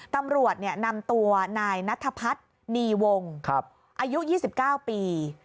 ตำรวจนำตัวนายนัทพัฒนีวงอายุ๒๙ปี